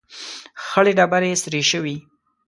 ، خړې ډبرې سرې شوې.